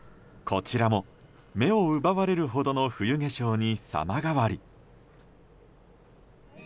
こちらも目を奪われるほどの冬化粧に様変わり。